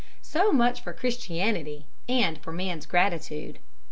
So much for Christianity, and for man's gratitude.